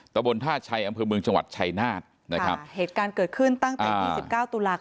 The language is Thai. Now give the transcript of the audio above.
ตะบนท่าชัยอำเภอเมืองจังหวัดชัยนาธนะครับเหตุการณ์เกิดขึ้นตั้งแต่ยี่สิบเก้าตุลาคม